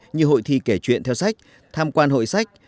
như hội thi kể chuyện theo sách tham quan hội sách